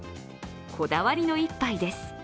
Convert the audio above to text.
こだわりの一杯です。